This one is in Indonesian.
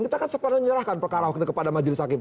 kita kan sempat menyerahkan perkara ahok ini kepada majelis hakim